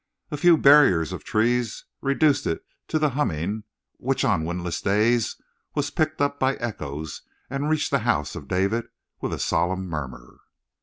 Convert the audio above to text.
A few barriers of trees reduced it to the humming which on windless days was picked up by echoes and reached the house of David with a solemn murmur.